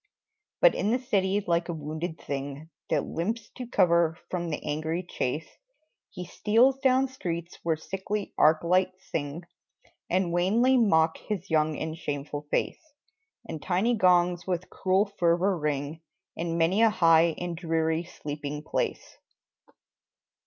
But in the city, like a wounded thing That limps to cover from the angry chase, He steals down streets where sickly arc lights sing, And wanly mock his young and shameful face; And tiny gongs with cruel fervor ring In many a high and dreary sleeping place.